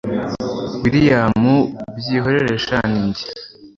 william byihorere sha ninjye